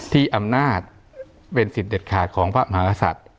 ที่อำนาจเป็นสิทธิ์เด็ดขาดของพระมหากษัตริย์